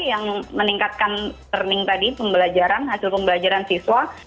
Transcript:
yang meningkatkan learning tadi pembelajaran hasil pembelajaran siswa